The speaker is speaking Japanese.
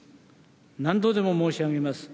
何度でも申し上げます。